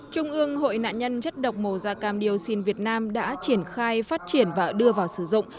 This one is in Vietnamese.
trung ương hội nạn nhân chất độc màu da cam dioxin việt nam đã triển khai phát triển và đưa vào sử dụng